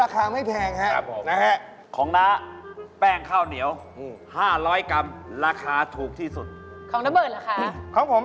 คุณน้องมีมันสมองน้องเก่ง